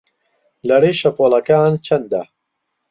لەرەی شەپۆڵەکان چەندە؟